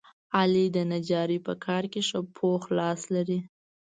علي د نجارۍ په کار کې ښه پوخ لاس لري.